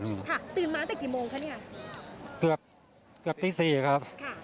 ค่ะตื่นมาตั้งแต่กี่โมงครับนี่ครับ